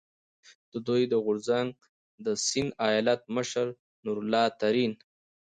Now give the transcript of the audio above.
د دوی د غورځنګ د سیند ایالت مشر نور الله ترین،